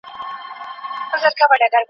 ژوند په کلي کې خپله ښکلا لري